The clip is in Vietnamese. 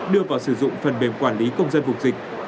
đưa vào sử dụng phần mềm quản lý công dân vùng dịch